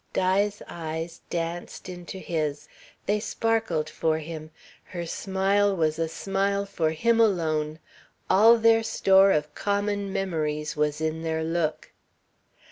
Di's eyes danced into his, they sparkled for him, her smile was a smile for him alone, all their store of common memories was in their look.